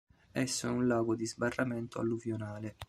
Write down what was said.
Esso è un lago di sbarramento alluvionale.